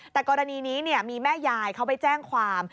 แต่กรณีนี้มีแม่ยายเขาไปแจ้งความ